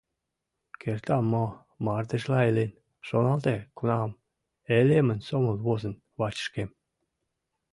Кертам мо мардежла илен, шоналте, кунам элемын сомыл возын вачышкем.